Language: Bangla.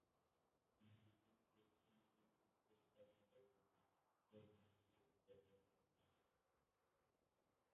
মেহেদি ফুল থেকে সুগন্ধী তৈরি হতো বহু প্রাচীনকাল থেকেই, বর্তমান যুগে এর উৎপাদন আবার শুরু হয়েছে।